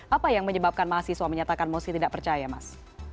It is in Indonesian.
apa yang menyebabkan mahasiswa menyatakan mosi tidak percaya mas